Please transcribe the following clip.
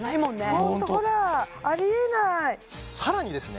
ホントほらありえないさらにですね